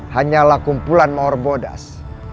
hanya lah kumpulan maor bodas